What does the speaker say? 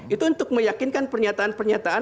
itu untuk meyakinkan pernyataan pernyataan